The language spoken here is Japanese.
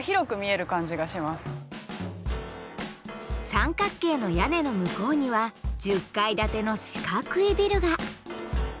三角形の屋根の向こうには１０階建ての四角いビルが。